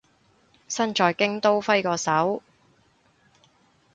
身在京都揮個手